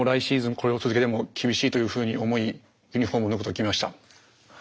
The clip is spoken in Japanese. これを続けても厳しいというふうに思いユニフォームを脱ぐことを決めました。